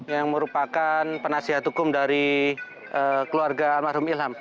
yang merupakan penasihat hukum dari keluarga almarhum ilham